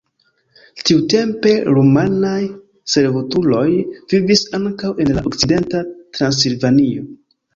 Tiutempe rumanaj servutuloj vivis ankaŭ en la okcidenta Transilvanio.